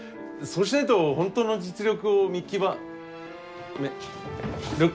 そうしないと本当の実力を見極めることが。